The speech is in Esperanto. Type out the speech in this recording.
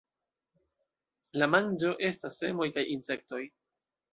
La manĝo estas semoj kaj insektoj.